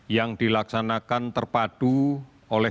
yang dilaksanakan terpadu oleh